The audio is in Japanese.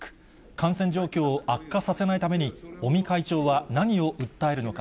感染状況を悪化させないために尾身会長は、何を訴えるのか。